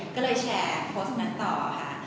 ก็เลยแชร์โพสต์นั้นต่อค่ะ